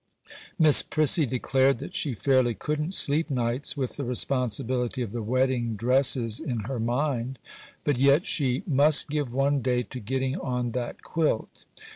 Miss Prissy declared that she fairly couldn't sleep nights with the responsibility of the wedding dresses in her mind; but yet she 'must give one day to getting on that quilt.